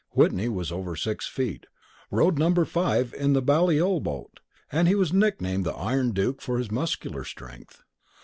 Whitney was over six feet, rowed number 5 in the Balliol boat, and was nicknamed the Iron Duke for his muscular strength.